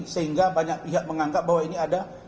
sehingga banyak pihak menganggap bahwa ini ada